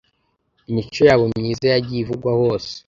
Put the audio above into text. Imico yabo myiza yagiye ivugwa hose